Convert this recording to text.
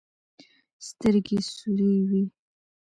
سترګې سورې وې.